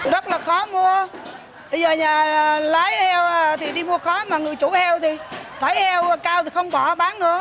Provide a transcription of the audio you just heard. rất là khó mua lấy heo thì đi mua khó mà người chủ heo thì thấy heo cao thì không bỏ bán nữa